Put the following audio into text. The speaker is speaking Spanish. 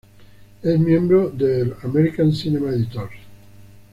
Es miembro del American Cinema Editors.